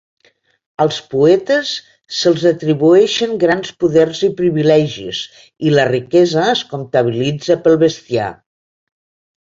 Als poetes, se'ls atribueixen grans poders i privilegis i la riquesa es comptabilitza pel bestiar.